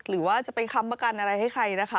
หรือว่าจะไปค้ำประกันอะไรให้ใครนะคะ